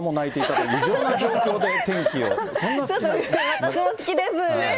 私も好きです。